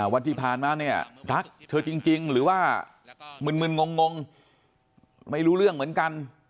วันที่ผ่านมาเนี่ยรักเธอจริงหรือว่ามึนงงไม่รู้เรื่องเหมือนกัน